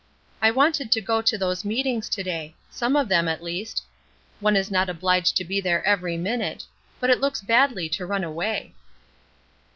I wanted to go to those meetings to day some of them, at least. One isn't obliged to be there every minute. But it looks badly to run away."